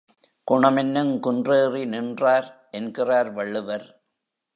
குணமென்னுங் குன்றேறி நின்றார் என்கிறார் வள்ளுவர்.